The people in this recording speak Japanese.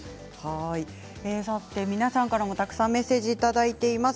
皆さんからもたくさんメッセージをいただいています。